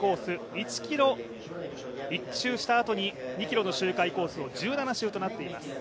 １ｋｍを１周したあとに２ｋｍの周回コースを１７周となっています。